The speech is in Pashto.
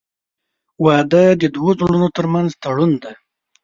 • واده د دوه زړونو تر منځ تړون دی.